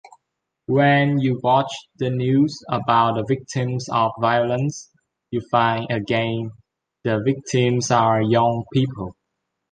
When you watch the news about the victims of violence, you find again the victims are young people.